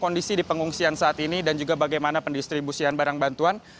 kondisi di pengungsian saat ini dan juga bagaimana pendistribusian barang bantuan